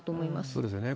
そうですね。